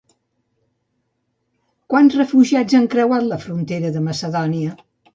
Quants refugiats han creuat la frontera de Macedònia?